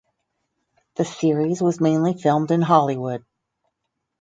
The series was mainly filmed in Hollywood.